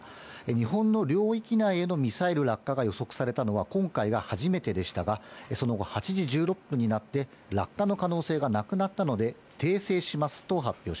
日本の領域内へのミサイル落下が予測されたのは今回が初めてでしたが、その後、８時１６分になって、落下の可能性がなくなったので、訂正します